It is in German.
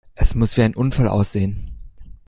Es muss wie ein Unfall aussehen!